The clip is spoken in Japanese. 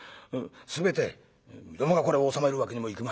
全てみどもがこれを納めるわけにもいくまい。